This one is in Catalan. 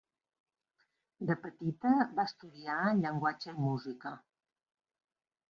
De petita va estudiar llenguatge i música.